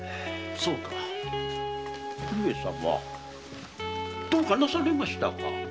上様どうかなされましたか？